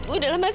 udah lah mas